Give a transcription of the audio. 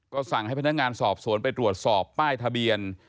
ก็สั่งให้พนักงานสอบสวนไปตรวจสอบป้ายทะเบียน